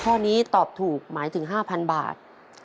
ข้อนี้ตอบถูกหมายถึง๕๐๐บาท